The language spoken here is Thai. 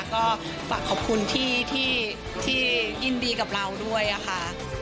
ก็ฝากขอบคุณที่ยินดีกับเราด้วยค่ะ